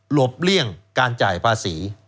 เลี่ยงการจ่ายภาษี